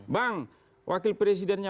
bang wakil presidennya